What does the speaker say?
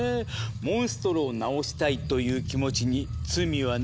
モンストロを治したいという気持ちに罪はないわ。